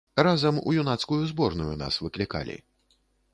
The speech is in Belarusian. Разам у юнацкую зборную нас выклікалі.